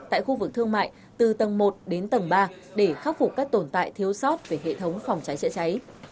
tại khu vực thương mại từ tầng một đến tầng ba để khắc phục các tồn tại thiếu sót về hệ thống phòng cháy chữa cháy